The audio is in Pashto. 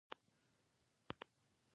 دوی د معتدلو سیمو په پرتله بېوزله نه دي.